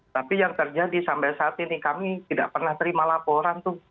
tapi yang terjadi sampai saat ini kami tidak pernah terima laporan tuh